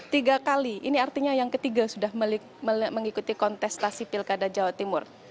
tiga kali ini artinya yang ketiga sudah mengikuti kontestasi pilkada jawa timur